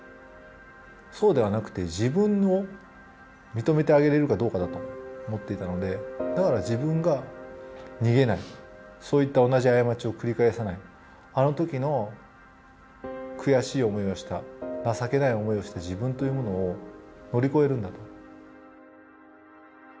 そうではなくて自分を認めてあげれるかどうかだと思っていたのでだから、自分が逃げないそういった同じ過ちを繰り返さないあのときの悔しい思いをした情けない思いをした自分というものを乗り越えるんだと。